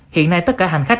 hiện nay tất cả hành khách